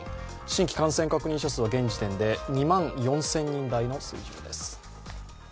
新規感染確認者数は現在２万４０００人台の水準です。